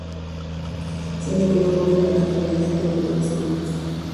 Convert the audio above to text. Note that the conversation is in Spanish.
Son de color rojo, naranja brillante o verde oscuro.